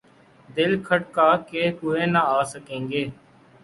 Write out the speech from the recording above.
دل کھٹکا کہ پورے نہ آسکیں گے ۔